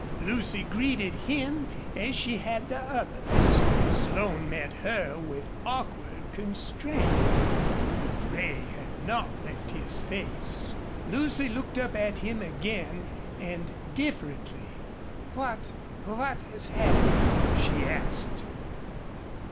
Lucy greeted him as she had the others. Slone met her with awkward constraint. The gray had not left his face. Lucy looked up at him again, and differently. "What what has happened?" she asked.